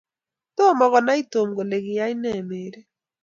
Tomo konay Tom kole kiya nee Mary